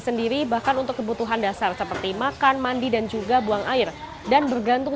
sendiri bahkan untuk kebutuhan dasar seperti makan mandi dan juga buang air dan bergantung